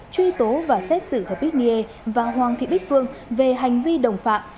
truy tố và xét xử hờ bích niê và hoàng thị bích phương về hành vi đồng phạm